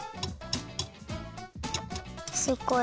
すごい。